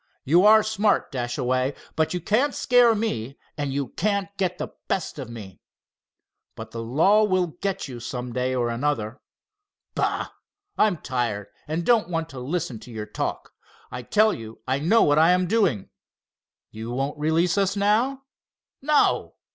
You are smart, Dashaway, but you can't scare me and you can't get the best of me." "But the law will get you, some day or another." "Bah! I'm tired and don't want to listen to your talk. I tell you I know what I am doing." "You won't release us now?" "No."